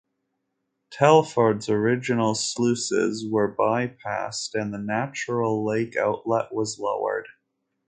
Telford's original sluices were by-passed and the natural lake outlet was lowered.